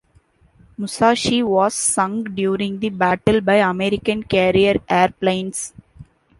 "Musashi" was sunk during the battle by American carrier airplanes.